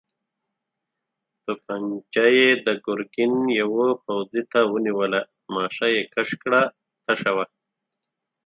توپانجه يې د ګرګين يوه پوځي ته ونيوله، ماشه يې کش کړه، تشه وه.